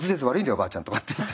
おばあちゃん」とかって言って。